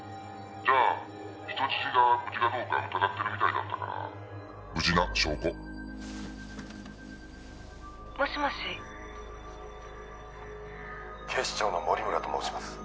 じゃあ人質が無事かどうか疑ってるみたいだったから無事な証拠」「もしもし」「警視長の森村と申します。